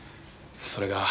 それが。